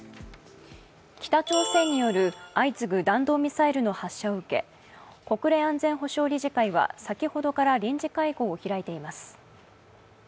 北朝鮮による相次ぐ弾道ミサイルの発射を受け国連安全保障理事会は先ほどから臨時会合を開いています。